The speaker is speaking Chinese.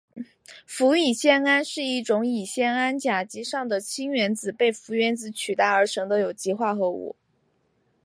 氟乙酰胺是一种乙酰胺甲基上的氢原子被氟原子取代而成的有机化合物。